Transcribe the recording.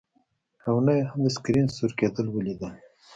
او نه یې هم د سکرین سور کیدل ولیدل